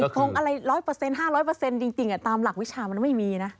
คงอะไร๑๐๐๕๐๐จริงตามหลักวิชามันไม่มีนะ